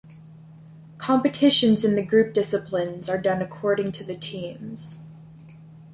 Competitions in the group disciplines are done according to the teams.